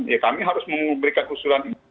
ya kami harus memberikan usulan ini